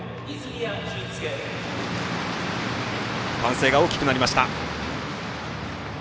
歓声が大きくなりました。